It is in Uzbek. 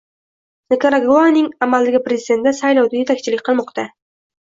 Nikaraguaning amaldagi prezidenti saylovda yetakchilik qilmoqdang